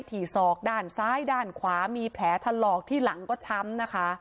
ที่ศอกด้านซ้ายด้านขวามีแผลถลอกที่หลังก็ช้ำนะคะ